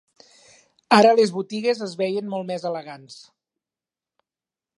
Ara les botigues es veien molt més elegants